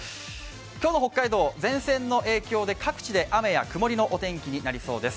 今日の北海道前線の影響で各地で曇りや雨のお天気となりそうです。